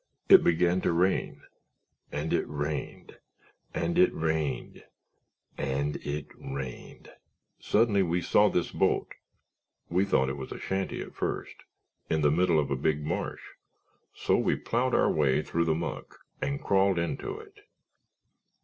It began to rain. And it rained, and it rained—and it rained. "Suddenly, we saw this boat—we thought it was a shanty at first—in the middle of a big marsh. So we plowed our way through the muck and crawled into it.